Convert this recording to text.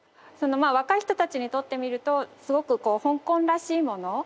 そのまあ若い人たちにとってみるとすごくこう香港らしいもの